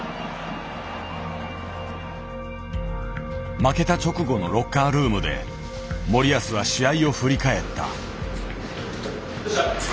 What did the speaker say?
負けた直後のロッカールームで森保は試合を振り返った。